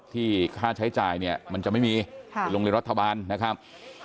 ค่าใช้จ่ายเนี่ยมันจะไม่มีโรงเรียนรัฐบาลนะครับ